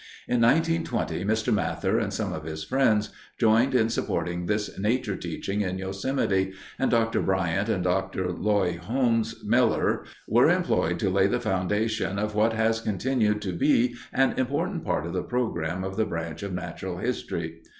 In 1920, Mr. Mather and some of his friends joined in supporting this nature teaching in Yosemite, and Dr. Bryant and Dr. Loye Holmes Miller were employed to lay the foundation of what has continued to be an important part of the program of the Branch of Natural History.